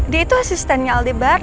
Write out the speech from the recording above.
dia tuh asistennya aldebaran